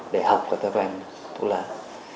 để học có thói quen